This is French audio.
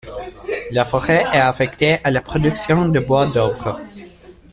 La forêt est affectée à la production de bois d’œuvre.